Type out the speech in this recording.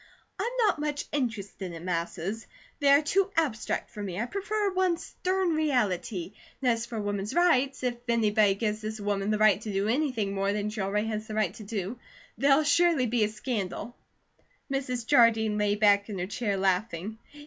I'm not much interested in masses. They are too abstract for me; I prefer one stern reality. And as for Woman's Rights, if anybody gives this woman the right to do anything more than she already has the right to do, there'll surely be a scandal." Mrs. Jardine lay back in her chair laughing.